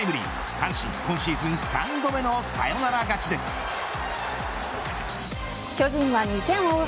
阪神、今シーズン３度目の巨人は２点を追う